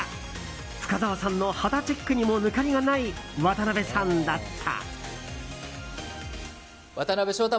深澤さんの肌チェックにも抜かりがない渡辺さんだった。